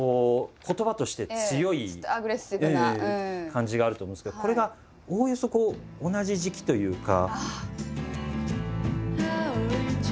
感じがあると思うんですけどこれがおおよそ同じ時期というか。